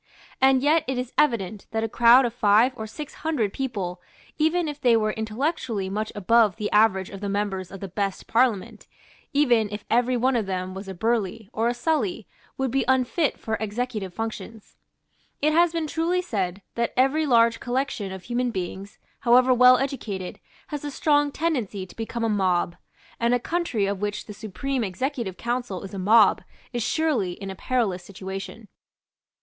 And yet it is evident that a crowd of five or six hundred people, even if they were intellectually much above the average of the members of the best Parliament, even if every one of them were a Burleigh, or a Sully, would be unfit for executive functions. It has been truly said that every large collection of human beings, however well educated, has a strong tendency to become a mob; and a country of which the Supreme Executive Council is a mob is surely in a perilous situation.